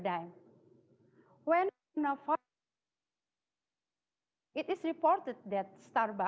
saya melihat skrinya juga